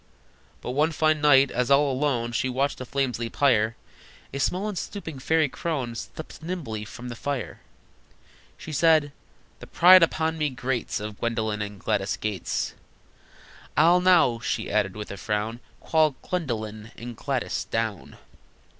But one fine night, as all alone She watched the flames leap higher, A small and stooping fairy crone Stept nimbly from the fire. Said she: "The pride upon me grates Of Gwendolyn and Gladys Gates." "I'll now," she added, with a frown, "Call Gwendolyn and Gladys down!"